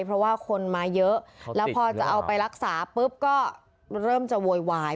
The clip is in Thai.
เพราะว่าคนมาเยอะแล้วพอจะเอาไปรักษาปุ๊บก็เริ่มจะโวยวาย